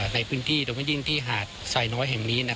ในพื้นที่โดยไม่ยิ่งที่หาดไซน้อยแห่งนี้